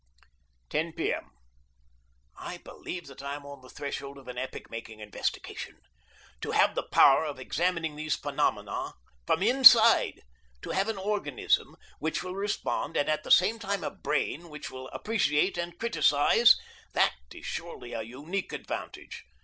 10 P. M. I believe that I am on the threshold of an epoch making investigation. To have the power of examining these phenomena from inside to have an organism which will respond, and at the same time a brain which will appreciate and criticise that is surely a unique advantage.